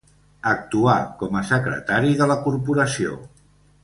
Actuà com a secretari de la corporació.